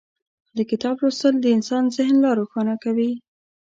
د کتاب لوستل د انسان ذهن لا روښانه کوي.